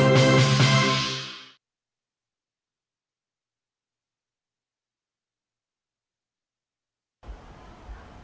chào các bạn